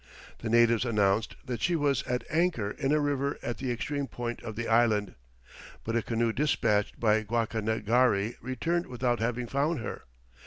The natives announced that she was at anchor in a river at the extreme point of the island, but a canoe despatched by Guacanagari returned without having found her.